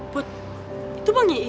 put itu bang nyi it